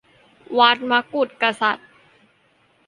วัดมกุฏกษัตริย์